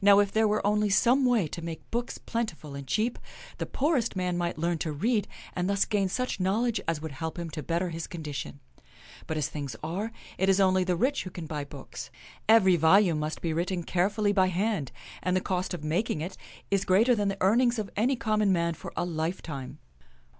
Now, if there were only some way to make books plentiful and cheap, the poorest man might learn to read and thus gain such knowledge as would help him to better his condition. But, as things are, it is only the rich who can buy books. Every volume must be written carefully by hand, and the cost of mak ing it is greater than the earnings of any common man for a lifetime."